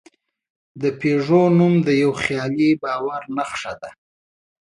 د پيژو نوم د یوه خیالي باور نښه ده.